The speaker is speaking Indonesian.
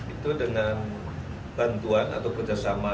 itu dengan bantuan atau kerjasama